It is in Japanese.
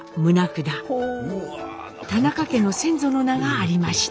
田中家の先祖の名がありました。